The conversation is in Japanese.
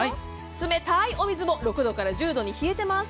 冷たいお水も６度から１０度に冷えています。